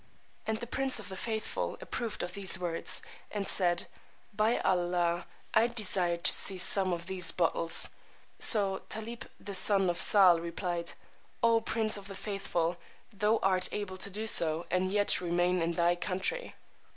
And the Prince of the Faithful approved of these words, and said, By Allah, I desire to see some of these bottles! So Tálib the son of Sahl replied, O Prince of the Faithful, thou art able to do so and yet remain in thy country.